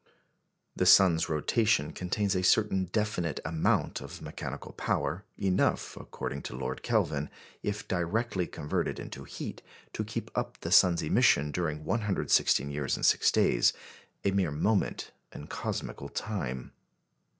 The sun's rotation contains a certain definite amount of mechanical power enough, according to Lord Kelvin, if directly converted into heat, to keep up the sun's emission during 116 years and six days a mere moment in cosmical time.